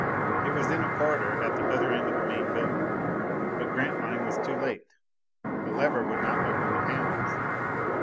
It was in a corridor at the other end of the main building. But Grantline was too late! The lever would not open the panels!